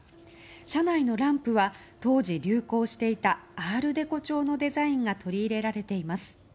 車内のランプは当時、流行していたアール・デコ調のデザインが取り入れられています。